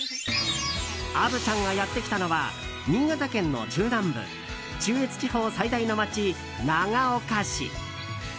虻ちゃんがやってきたのは新潟県の中南部中越地方最大の街、長岡市。